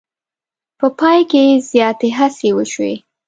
په پای کې زیاتې هڅې وشوې.